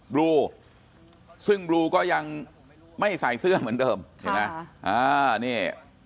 บลูซึ่งบลูก็ยังไม่ใส่เสื้อเหมือนเดิมใช่ไหมอ่านี่